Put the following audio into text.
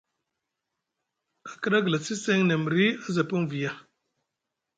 A kiɗa a glasi seŋ nʼa miri a za pini viya.